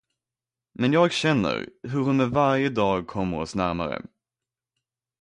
Men jag känner, hur hon med varje dag kommer oss närmare.